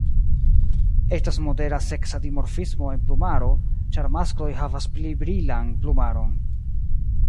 Estas modera seksa dimorfismo en plumaro, ĉar maskloj havas pli brilan plumaron.